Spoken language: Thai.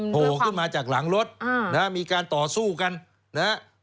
โผล่ขึ้นมาจากหลังรถมีการต่อสู้กัน